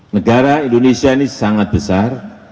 negara indonesia ini sangat besar